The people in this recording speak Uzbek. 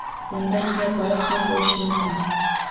Unda, har balo ham bo‘lishi mumkin!